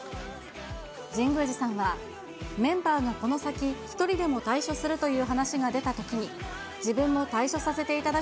神宮寺さんは、メンバーがこの先、一人でも退所するという話が出たときに、自分も退所させていただ